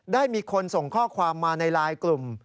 ได้มีคนส่งข้อความมาในไลน์กลุ่ม